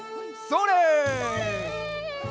それ！